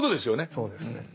そうですね。